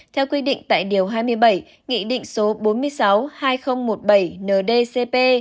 theo quy định tại điều hai mươi bảy nghị định số bốn mươi sáu hai nghìn một mươi bảy ndcp